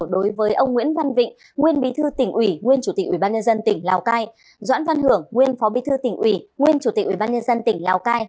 đối với ông nguyễn văn vịnh nguyên bí thư tỉnh ủy nguyên chủ tịch ubnd tỉnh lào cai